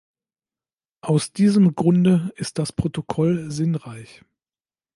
Aus diesem Grunde ist das Protokoll sinnreich.